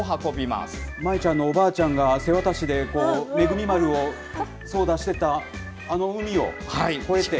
まいちゃんのおばあちゃんが瀬渡しでめぐみ丸を操だしてた、あの海を越えて。